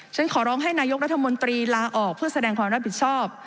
ขอร้องให้นายกรัฐมนตรีลาออกเพื่อแสดงความรับผิดชอบ